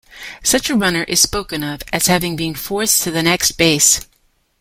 Such a runner is spoken of as having been forced to the next base.